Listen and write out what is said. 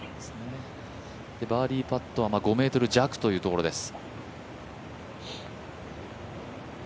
バーディーパットは５ｍ弱というところです。